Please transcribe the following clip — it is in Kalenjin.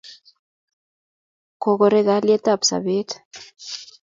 Kokoreg aliyet ab sobet